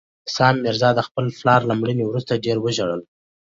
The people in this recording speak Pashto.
سام میرزا د خپل پلار له مړینې وروسته ډېر وژړل.